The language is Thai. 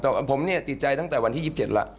แต่ผมเนี่ยติดใจตั้งแต่วันที่๒๗แล้ว